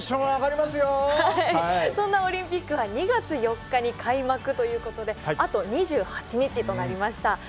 はいそんなオリンピックは２月４日に開幕ということであと２８日となりました。